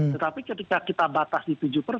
tetapi ketika kita batasi tujuh persen